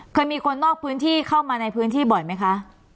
เคยมีคนนอกพื้นที่เข้ามาในพื้นที่บ่อยไหมคะ